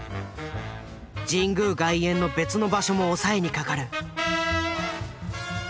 神宮外苑の別の場所も押さえにかかる。